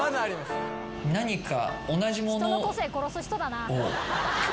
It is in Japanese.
何か。